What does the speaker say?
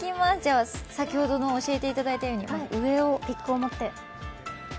先ほど、教えていただいたように上を持って。